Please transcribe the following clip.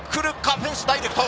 フェンスダイレクト。